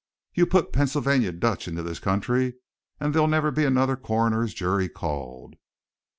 You put Pennsylvania Dutch into this country and there'll never be another coroner's jury called!"